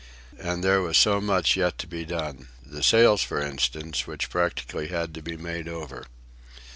And there was so much yet to be done—the sails, for instance, which practically had to be made over.